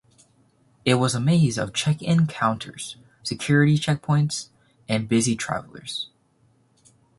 It was a maze of check-in counters, security checkpoints, and busy travelers.